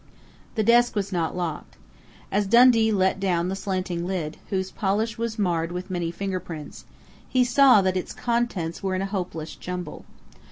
The desk was not locked. As Dundee let down the slanting lid, whose polish was marred with many fingerprints, he saw that its contents were in a hopeless jumble.